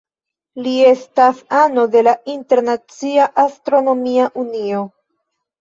Li estas ano de la Internacia Astronomia Unio.